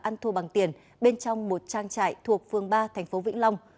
ăn thua bằng tiền bên trong một trang trại thuộc phương ba thành phố vĩnh long